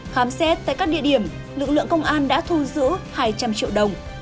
khám xét tại các địa điểm lực lượng công an đã thu giữ hai trăm linh triệu đồng